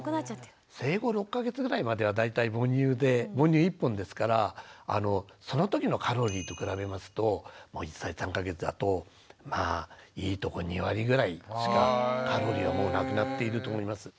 生後６か月ぐらいまでは大体母乳で母乳一本ですからそのときのカロリーと比べますと１歳３か月だとまあいいとこ２割ぐらいしかカロリーはもうなくなっていると思います。